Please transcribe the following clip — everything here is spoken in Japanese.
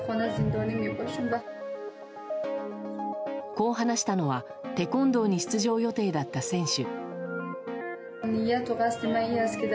こう話したのはテコンドーに出場予定だった選手。